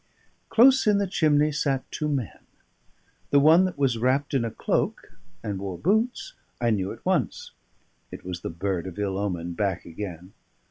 Close in the chimney sat two men. The one that was wrapped in a cloak and wore boots, I knew at once: it was the bird of ill omen back again.